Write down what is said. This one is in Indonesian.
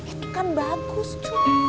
itu kan bagus cu